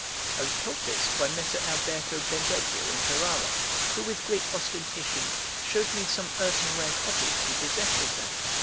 I was told this by Messer Alberto Bendedio in Ferrara, who with great ostentation showed me some earthenware copies he possessed of them.